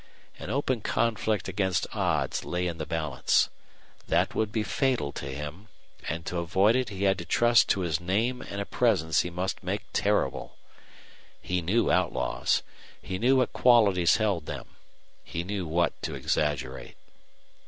An open conflict against odds lay in the balance. That would be fatal to him, and to avoid it he had to trust to his name and a presence he must make terrible. He knew outlaws. He knew what qualities held them. He knew what to exaggerate.